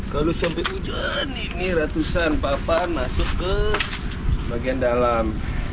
kalau sampai hujan ini ratusan papan masuk ke bagian dalam